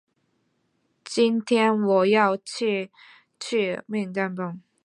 今天我要去吃麦当劳。